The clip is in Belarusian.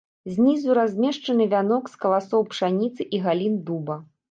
Знізу размешчаны вянок з каласоў пшаніцы і галін дуба.